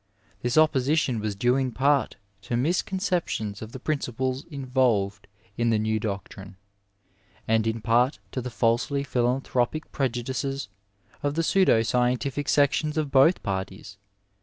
This opposition was due in part to mis conceptions of the principles involved in the new doctrine, and in part to the falsely philanthropic prejudices of the pseudo scientific sections of both parties.